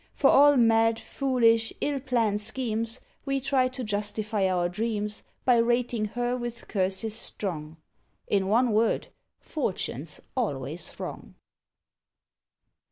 For all mad, foolish, ill planned schemes We try to justify our dreams By rating her with curses strong. In one word, Fortune's always wrong.